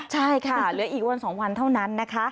ใช่ค่ะเหลืออีกวัน๒วันเท่านั้นนะคะ